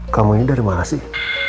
kamu ini dari mana sih